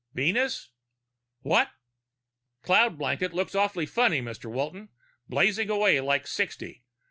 "Venus? What?" "Cloud blanket looks awfully funny, Mr. Walton. Blazing away like sixty.